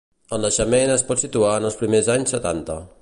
El naixement es pot situar en els primers anys setanta.